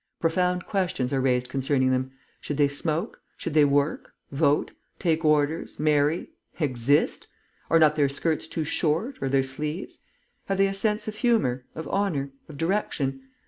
Profound questions are raised concerning them. Should they smoke? Should they work? Vote? Take Orders? Marry? Exist? Are not their skirts too short, or their sleeves? Have they a sense of humour, of honour, of direction?